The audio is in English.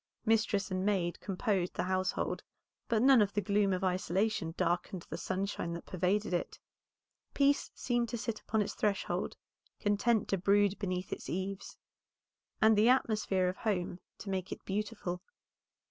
Mistress and maid composed the household, but none of the gloom of isolation darkened the sunshine that pervaded it; peace seemed to sit upon its threshold, content to brood beneath its eaves, and the atmosphere of home to make it beautiful.